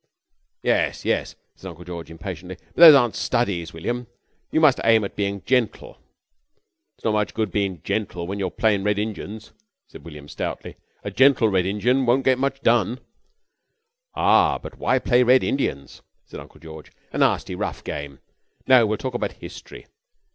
"Yes, yes," said Uncle George impatiently, "but those aren't studies, William. You must aim at being gentle." "It's not much good bein' gentle when you're playin' Red Injuns," said William stoutly. "A gentle Red Injun wun't get much done." "Ah, but why play Red Indians?" said Uncle George. "A nasty rough game. No, we'll talk about History.